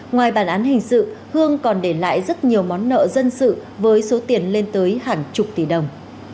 ngoài bản án hình sự hương còn để lại rất nhiều món nợ dân sự với số tiền lên tới hàng chục tỷ đồng